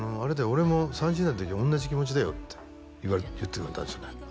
「俺も３０代の時同じ気持ちだよ」って言ってくれたんですよね